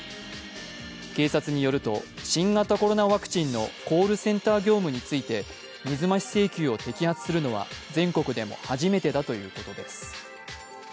警察によると新型コロナワクチンのコールセンター業務について水増し請求を摘発するのは全国でも初めてだということです。